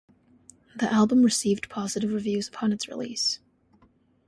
The album received positive reviews upon its release.